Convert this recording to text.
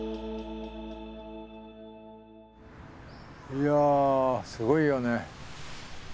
いやすごいよね。